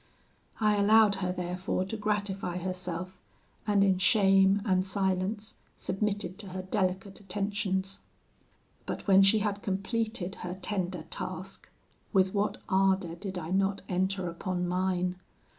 I allowed her therefore to gratify herself, and in shame and silence submitted to her delicate attentions. "But when she had completed her tender task, with what ardour did I not enter upon mine!